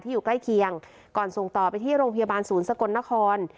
อยู่ใกล้เคียงก่อนส่งต่อไปที่โรงพยาบาลศูนย์สกลนคร